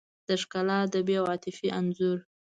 د ښکلا ادبي او عاطفي انځور